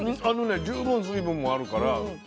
あのね十分水分もあるから。